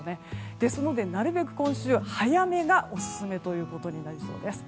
ですので、なるべく今週早めがオススメとなりそうです。